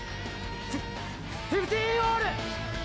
フィフィフティーンオール！